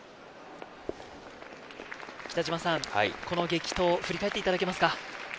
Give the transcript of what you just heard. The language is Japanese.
この激闘を振り返っていただけますか？